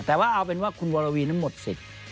แต่ว่าเอาเป็นว่าคุณวรวีนั้นหมดสิทธิ์